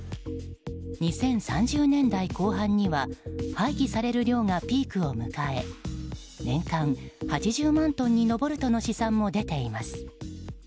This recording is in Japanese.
２０３０年代後半には廃棄される量がピークを迎え年間８０万トンに上るとの試算も出ています。